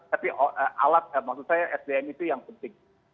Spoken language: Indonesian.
tapi alat maksud saya sdm itu yang penting